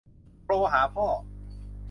โทรหาพ่อ